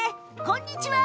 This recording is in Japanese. こんにちは。